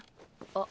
あっ。